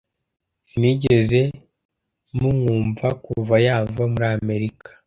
Sinigeze mumwumva kuva yava muri Amerika.